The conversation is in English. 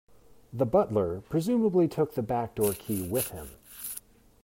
The butler presumably took the back-door key with him.